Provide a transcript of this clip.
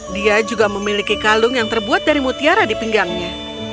dia juga memiliki kalung yang terbuat dari mutiara di pinggangnya